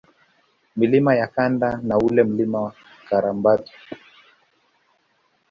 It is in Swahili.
Milima ya Kanda na ule Mlima Karambatu